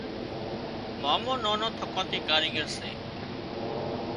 مامو نانان ٿڪان ٿي ڪاريڳر سي